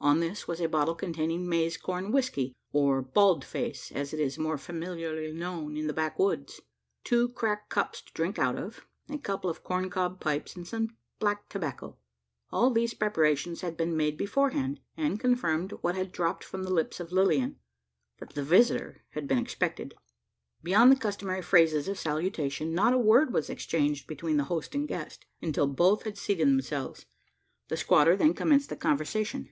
On this was a bottle containing maize corn whiskey or, "bald face," as it is more familiarly known in the backwoods two cracked cups to drink out of; a couple of corn cob pipes; and some black tobacco. All these preparations had been made beforehand; and confirmed, what had dropped from the lips of Lilian, that the visitor had been expected. Beyond the customary phrases of salutation, not a word was exchanged between the host and guest, until both had seated themselves. The squatter then commenced the conversation.